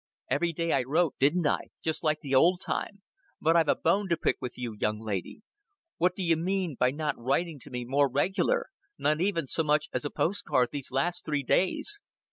"Every day I wrote didn't I? just like the old time. But I've a bone to pick with you, young lady. What d'ye mean by not writing to me more regular? Not even so much as a post card these last three days!"